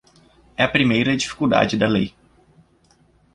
É a primeira dificuldade da lei.